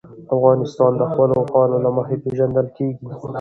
افغانستان د خپلو اوښانو له مخې پېژندل کېږي.